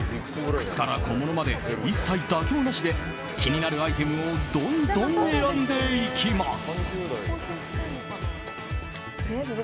靴から小物まで一切妥協なしで気になるアイテムをどんどん選んでいきます。